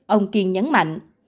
ông kiên nhấn mạnh